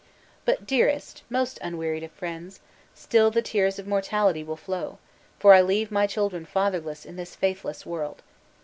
But, dearest, most unwearied of friends, still the tears of mortality will flow; for I leave my children fatherless in this faithless world.